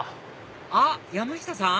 あっ山下さん！